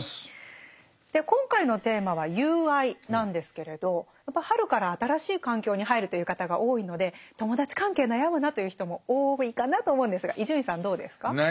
今回のテーマは「友愛」なんですけれどやっぱ春から新しい環境に入るという方が多いので友達関係悩むなという人も多いかなと思うんですが伊集院さんどうですか？